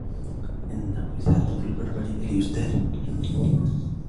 إنهُ يتحدث البربرية لإُستاذي.